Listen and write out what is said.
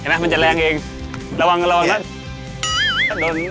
เห็นไหมมันจะแรงเองระวังระวังระวังระวังระวังระวังระวัง